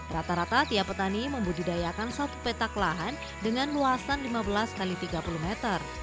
rata rata tiap petani membudidayakan satu petak lahan dengan luasan lima belas x tiga puluh meter